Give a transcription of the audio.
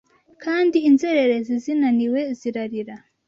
Kandi inzererezi zinaniwe zirarira